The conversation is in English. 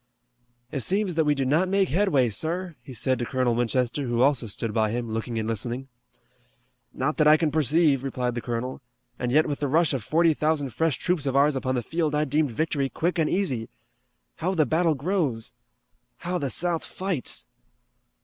"It seems that we do not make headway, sir," he said to Colonel Winchester, who also stood by him, looking and listening. "Not that I can perceive," replied the colonel, "and yet with the rush of forty thousand fresh troops of ours upon the field I deemed victory quick and easy. How the battle grows! How the South fights!"